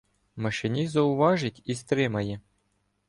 Машиніст зауважить і стримає.